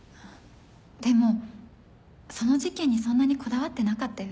でもその事件にそんなにこだわってなかったよね？